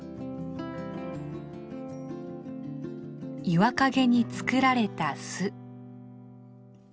岩陰に作られた巣。